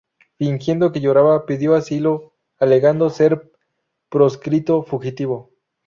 Fingiendo que lloraba, pidió asilo, alegando ser un proscrito fugitivo.